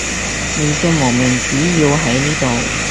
你隻無名指要喺呢度